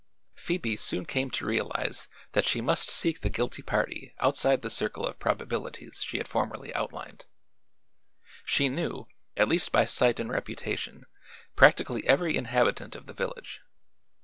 Phoebe soon came to realize that she must seek the guilty party outside the circle of probabilities she had formerly outlined. She knew, at least by sight and reputation, practically every inhabitant of the village.